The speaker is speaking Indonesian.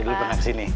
dulu pengen kesini